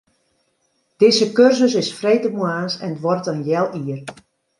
Dizze kursus is freedtemoarns en duorret in heal jier.